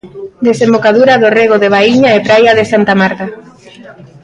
Desembocadura do rego de Baíña e praia de Santa Marta.